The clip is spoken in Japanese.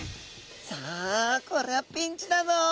さあこれはピンチだぞ。